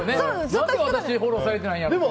何で私フォローされてないんだろうって。